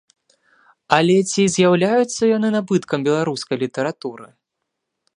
Але ці з'яўляюцца яны набыткам беларускай літаратуры?